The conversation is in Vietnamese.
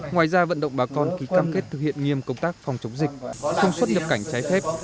ngoài ra vận động bà con ký cam kết thực hiện nghiêm công tác phòng chống dịch không xuất nhập cảnh trái phép